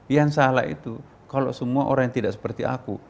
yang salah itu kalau semua orang yang tidak seperti aku